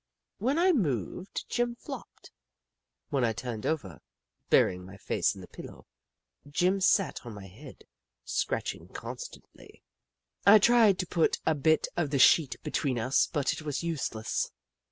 When I moved, Jim flopped. When I turned over, burying my face in the pillow, Jim sat on my head, scratching con stantly. I tried to put a bit of the sheet be tween us, but it was useless.